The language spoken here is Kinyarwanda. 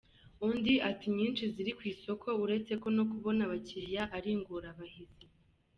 Undi ati “Inyinshi ziri ku isoko uretse ko no kubona abakiriya ari ingorabahizi.